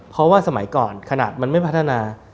เพราะว่าสมัยก่อนขนาดมันไม่พัฒนา